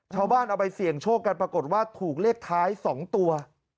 ๐๕๗ชาวบ้านเอาไปเสี่ยงโชคกันปรากฏว่าถูกเลขท้าย๒ตัว